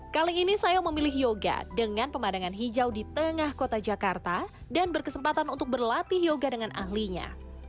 kali ini saya memilih yoga dengan pemandangan hijau di tengah kota jakarta dan berkesempatan untuk berlatih yoga dengan ahlinya